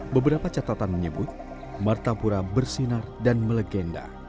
beberapa catatan menyebut martapura bersinar dan melegenda